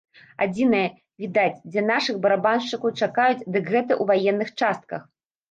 Адзінае, відаць, дзе нашых барабаншчыкаў чакаюць, дык гэта ў ваенных частках.